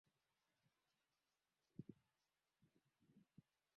Kutoa magazeti mbalimbali kama vile masimulizi mwaka elfumoja mianane themanini na nane